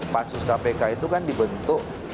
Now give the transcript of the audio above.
pansus kpk itu kan dibentuk